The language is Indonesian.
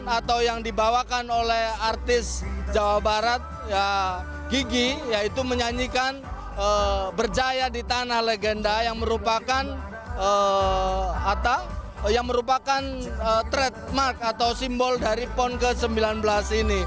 atau yang dibawakan oleh artis jawa barat gigi yaitu menyanyikan berjaya di tanah legenda yang merupakan yang merupakan trademark atau simbol dari pon ke sembilan belas ini